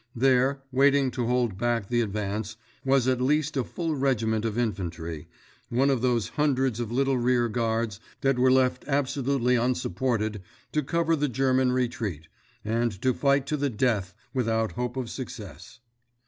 There, waiting to hold back the advance, was at least a full regiment of infantry—one of those hundreds of little rear guards that were left absolutely unsupported, to cover the German retreat, and to fight to the death without hope of success.